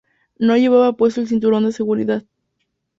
No llevaba puesto el cinturón de seguridad.